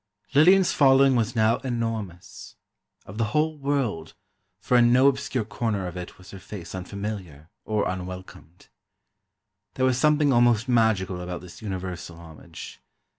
Lillian's following was now enormous ... of the whole world, for in no obscure corner of it was her face unfamiliar, or unwelcomed. There was something almost magical about this universal homage.